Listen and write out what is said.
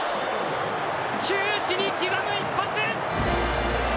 球史に刻む一発。